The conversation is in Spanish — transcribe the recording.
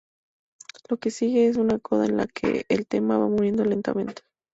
Lo que sigue es una coda en la que el tema va muriendo lentamente.